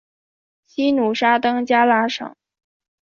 西努沙登加拉省。